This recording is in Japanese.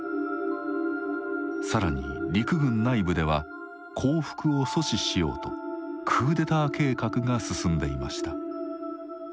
更に陸軍内部では降伏を阻止しようとクーデター計画が進んでいました。